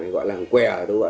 gọi làng que